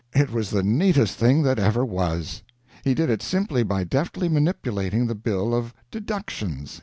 It was the neatest thing that ever was. He did it simply by deftly manipulating the bill of "DEDUCTIONS."